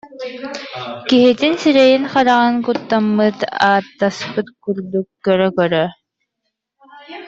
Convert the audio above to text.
Киһитин сирэйин-хараҕын куттаммыт, ааттаспыт курдук көрө-көрө: